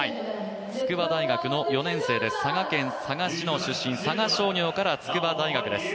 筑波大学の４年生です、佐賀県佐賀市の出身、佐賀商業から筑波大学です。